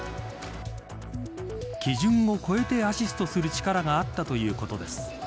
基準を超えてアシストする力があったということです。